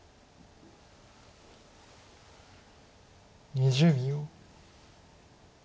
２０秒。